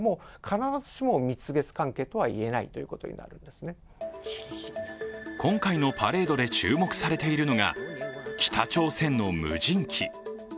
そして今回のパレードで注目されているのが北朝鮮の無人機。